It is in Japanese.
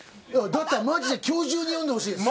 だったらマジで今日中に読んでほしいです！